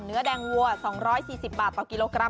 เนื้อแดงวัว๒๔๐บาทต่อกิโลกรัม